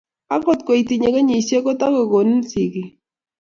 Akot ko itinye kenyisiek kotago konin sigik